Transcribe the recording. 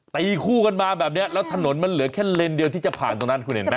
ตีคู่กันมาแบบนี้แล้วถนนมันเหลือแค่เลนส์เดียวที่จะผ่านตรงนั้นคุณเห็นไหม